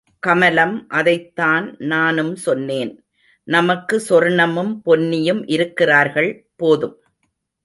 கமலம் அதைத்தான் நானும் சொன்னேன், நமக்கு சொர்ணமும் பொன்னியும் இருக்கிறார்கள், போதும்.